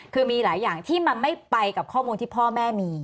คือมีหลายอย่างที่มันไม่ไปกับข้อมูลที่พ่อแม่มี